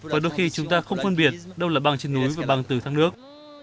và đôi khi chúng ta không phân biệt đâu là băng trên núi và băng từ thác nước